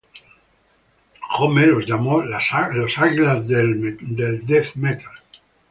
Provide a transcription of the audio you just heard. Homme los llamó "los águilas del death metal".